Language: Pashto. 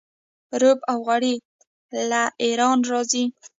رب او غوړي له ایران راځي.